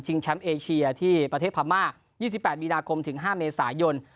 แชมป์เอเชียที่ประเทศพม่า๒๘มีนาคมถึง๕เมษายน